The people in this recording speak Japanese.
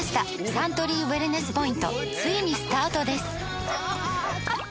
サントリーウエルネスポイントついにスタートです！